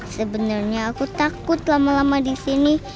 sebenarnya aku takut lama lama di sini